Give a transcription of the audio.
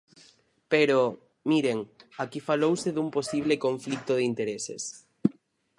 Pero, miren, aquí falouse dun posible conflito de intereses.